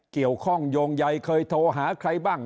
เกี่ยวข้องโยงใยเคยโทรหาใครบ้าง